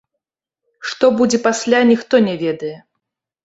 Што будзе пасля, ніхто не ведае.